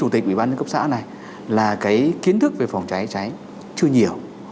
chủ tịch ủy ban dân cấp xã này là cái kiến thức về phòng cháy cháy chưa nhiều